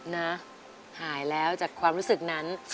นะหายแล้วจากความรู้สึกนั้น